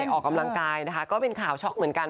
ออกกำลังกายนะคะก็เป็นข่าวช็อกเหมือนกัน